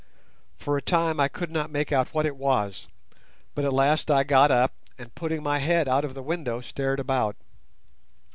For a time I could not make out what it was, but at last I got up and, putting my head out of the window, stared about.